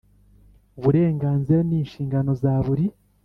Uburenganzira n inshingano za buri